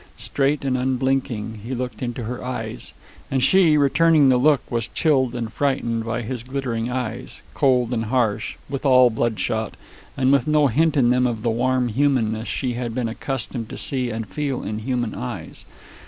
Straight and unblinking he looked into her eyes, and she, returning the look, was chilled and frightened by his glittering eyes, cold and harsh, withal bloodshot, and with no hint in them of the warm humanness she had been accustomed to see and feel in human eyes.